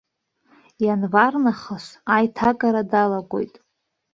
Ианвар нахыс аиҭагара далагоит.